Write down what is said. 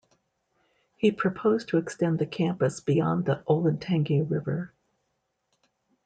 He proposed to extend the campus beyond the Olentangy River.